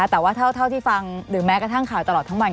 แต่ว่าเท่าที่ฟังหรือแม้กระทั่งข่าวตลอดทั้งวัน